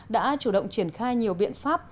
đã chủ động triển khai nhiều biện pháp